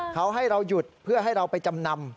เขาให้เราหยุดเพื่อให้เราไปจำนำ